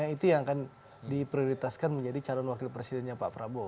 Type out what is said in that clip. itu yang akan diprioritaskan menjadi calon wakil presidennya pak prabowo